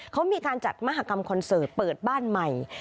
เขามีการจัดมหากรรมคอนเสิร์ตเปิดบ้านใหม่